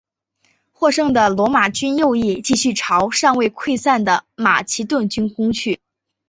获胜的罗马军右翼继续朝尚未溃散的马其顿军攻去。